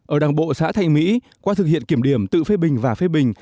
ở đảng bộ xã thành mỹ qua thực hiện kiểm điểm tự phê bình và phê bình